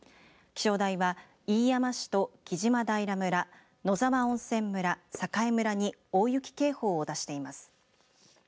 気象台は飯山市と木島平村野沢温泉村、栄村に大雪警報を出しています。